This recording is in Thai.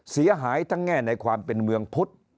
เสียหายทั้งแง่ในความเป็นเมืองพุทธ